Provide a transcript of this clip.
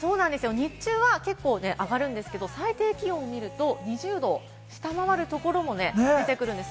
日中は上がるんですけれども、最低気温を見ると２０度を下回るところも出てくるんです。